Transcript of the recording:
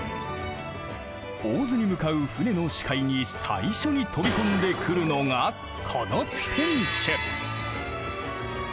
大洲に向かう舟の視界に最初に飛び込んでくるのがこの天守。